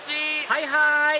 はいはい！